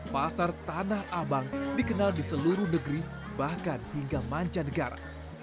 pasar tanah abang dikenal di seluruh negeri bahkan hingga mancanegara